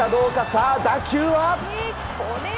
さあ、打球は。